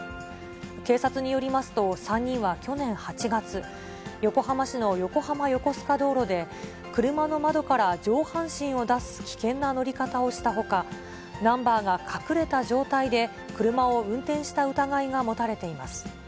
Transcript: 警察によりますと、３人は去年８月、横浜市の横浜横須賀道路で車の窓から上半身を出す危険な乗り方をしたほか、ナンバーが隠れた状態で車を運転した疑いが持たれています。